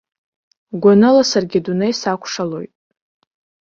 Гәаныла саргьы адунеи сакәшалоит.